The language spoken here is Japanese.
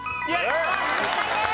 正解です。